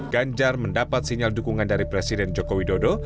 ganjar mendapat sinyal dukungan dari presiden jokowi dodo